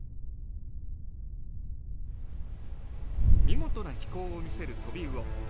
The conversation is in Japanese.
見事な飛行を見せるトビウオ。